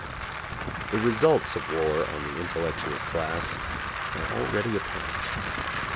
The results of war on the intellectual class are already apparent.